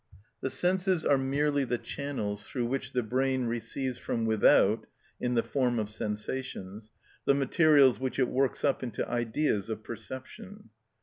The senses are merely the channels through which the brain receives from without (in the form of sensations) the materials which it works up into ideas of perception.